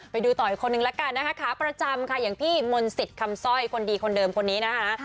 ไปดูต่ออีกคนนึงละกันนะคะขาประจำค่ะอย่างพี่มนต์สิทธิ์คำสร้อยคนดีคนเดิมคนนี้นะคะ